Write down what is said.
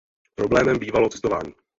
Problémem bývalo cestování.